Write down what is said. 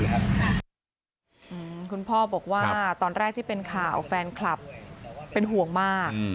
คุณพ่อบอกว่าตอนแรกที่เป็นข่าวแฟนคลับเป็นห่วงมาก